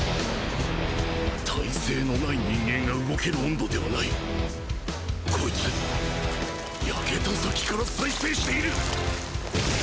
耐性の無い人間が動ける温度ではないこいつ灼けた先から再生している